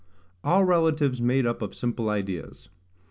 All relatives made up of simple ideas.